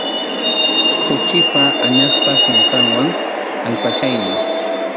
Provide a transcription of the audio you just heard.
Khuchipa, añaspa sinqanwan allpachaynin.